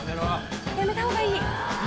やめたほうがいい。